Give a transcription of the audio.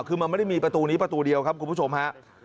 คือมันไม่ได้มีประตูนี้ประตูเดียวครับคุณผู้ชมฮะ